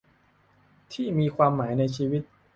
ที่มีความหมายในชีวิต